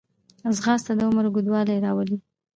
ځغاسته د عمر اوږدوالی راولي